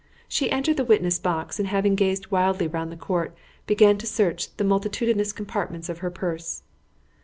She entered the witness box, and, having gazed wildly round the court, began to search the multitudinous compartments of her purse.